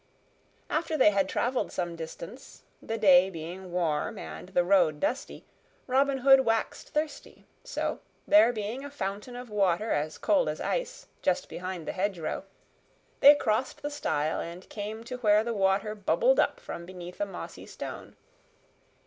After they had traveled some distance, the day being warm and the road dusty, Robin Hood waxed thirsty; so, there being a fountain of water as cold as ice, just behind the hedgerow, they crossed the stile and came to where the water bubbled up from beneath a mossy stone.